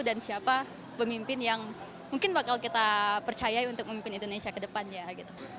dan siapa pemimpin yang mungkin bakal kita percaya untuk memimpin indonesia ke depannya